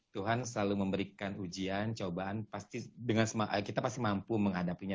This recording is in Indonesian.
tuhan selalu memberikan ujian cobaan pasti dengan semangat kita pasti mampu menghadapinya